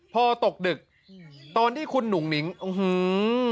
พอตกดึกตอนที่คุณหนุ่งหนิงอื้อหือ